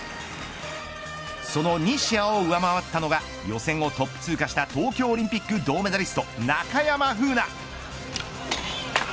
その西矢を上回ったのが予選をトップ通過した東京オリンピック銅メダリスト中山楓奈。